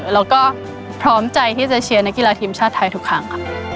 แล้วก็พร้อมใจที่จะเชียร์นักกีฬาทีมชาติไทยทุกครั้ง